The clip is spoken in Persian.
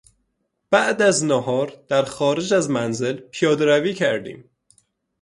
بعد از نهار در خارج از منزل پیادهروی کردیم.